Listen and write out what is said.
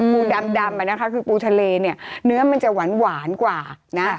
ปูดำดำอ่ะนะคะคือปูทะเลเนี่ยเนื้อมันจะหวานกว่านะ